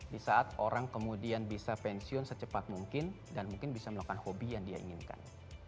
di saat orang kemudian bisa pensiun secepat mungkin dan mungkin bisa melakukan hobi yang dia inginkan